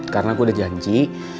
karena gue udah janji